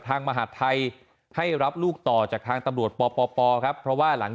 มหาดไทยให้รับลูกต่อจากทางตำรวจปปครับเพราะว่าหลัง